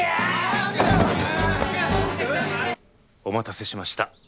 お待たせしました。